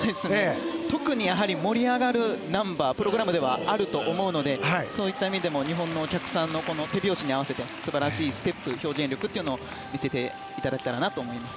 特に盛り上がるナンバープログラムではあると思うのでそういった意味でも日本のお客さんの手拍子に合わせて素晴らしいステップ、表現力を見せてもらえたらなと思います。